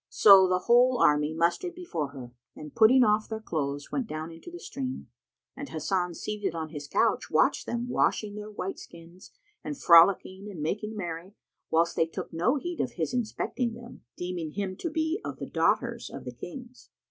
So the whole army mustered before her and putting off their clothes, went down into the stream, and Hasan seated on his couch watched them washing their white skins and frolicking and making merry, whilst they took no heed of his inspecting them, deeming him to be of the daughters of the Kings.